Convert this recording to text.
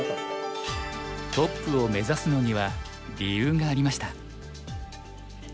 トップを目指すのには理由がありました。